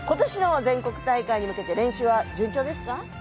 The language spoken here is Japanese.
今年の全国大会に向けて練習は順調ですか？